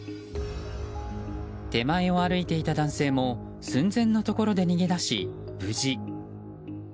手前を歩いていた男性も寸前のところで逃げ出し、無事。